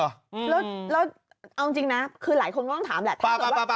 เอาจริงนะคือหลายคนต้องถามแหละ